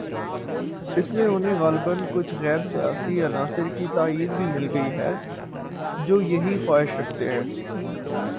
اس میں انہیں غالباکچھ غیر سیاسی عناصر کی تائید بھی مل گئی ہے" جو یہی خواہش رکھتے ہیں۔